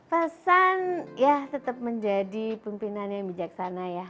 pesan ya tetap menjadi pimpinan yang bijaksana ya